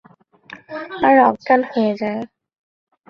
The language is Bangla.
আর অজ্ঞান হয়ে যায়।